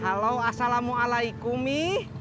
halo assalamu'alaikum mi